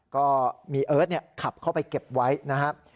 ก็มีเอิร์ทเนี้ยขับเข้าไปเก็บไว้นะฮะ